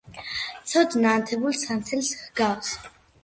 ცოდნა ანთებულ სანთელს ჰგავს